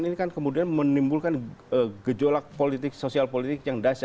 ini kan kemudian menimbulkan gejolak politik sosial politik yang dasar